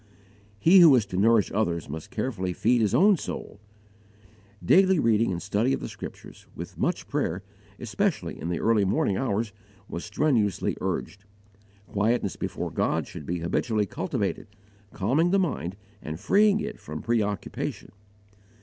He who is to nourish others must carefully feed his own soul. Daily reading and study of the Scriptures, with much prayer, especially in the early morning hours, was strenuously urged. Quietness before God should be habitually cultivated, calming the mind and freeing it from preoccupation.